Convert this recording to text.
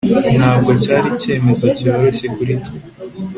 ntabwo cyari icyemezo cyoroshye kuri twe